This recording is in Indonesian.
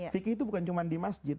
fikih itu bukan cuma di masjid